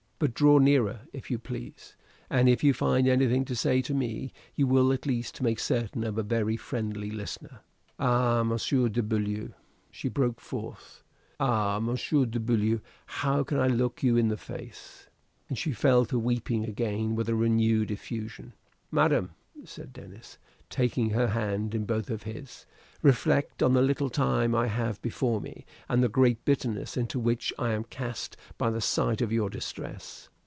But draw nearer, if you please; and if you find anything to say to me, you will at least make certain of a very friendly listener. Ah! Monsieur de Beaulieu," she broke forth "ah! Monsieur de Beaulieu, how can I look you in the face?" And she fell to weeping again with a renewed effusion. "Madam," said Denis, taking her hand in both of his; "reflect on the little time I have before me, and the great bitterness into which I am cast by the sight of your distress.